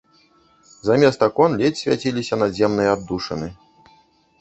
Замест акон ледзь свяціліся надземныя аддушыны.